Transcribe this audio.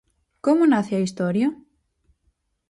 Como nace a historia?